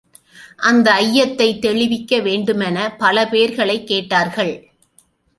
அந்த ஐயத்தைத் தெளிவிக்க வேண்டுமெனப் பல பேர்களைக் கேட்டார்கள்.